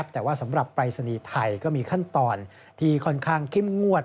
แต่ว่าสำหรับปรายศนีย์ไทยก็มีขั้นตอนที่ค่อนข้างเข้มงวด